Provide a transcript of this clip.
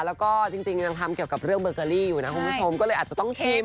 แล้วก็จริงยังทำเกี่ยวกับเรื่องเบอร์เกอรี่อยู่นะคุณผู้ชมก็เลยอาจจะต้องชิม